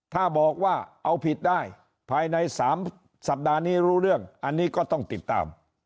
ถ้าบอกว่าเอาผิดได้ภายใน๓สัปดาห์นี้รู้เรื่องอันนี้ก็ต้องติดตาม